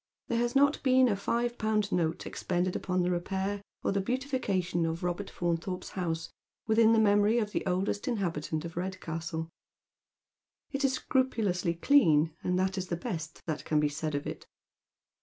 There has not been a five pound note expended upon the repair or the beautitication of Robert Faunthorpe's house within the memory of the oldest inhabitant of Redcastle. It is scrupulously clean, and that is the best that can be said of it.